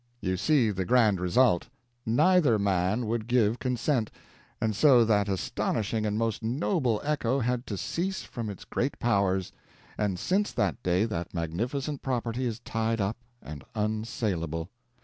You see the grand result! Neither man would give consent, and so that astonishing and most noble echo had to cease from its great powers; and since that day that magnificent property is tied up and unsalable.